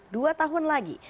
dua tahun lagi